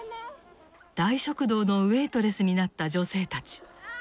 大食堂のウエイトレスになった女性たち。